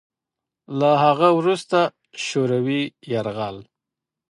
له هغه وروسته شوروي یرغل